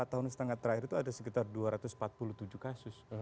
lima tahun setengah terakhir itu ada sekitar dua ratus empat puluh tujuh kasus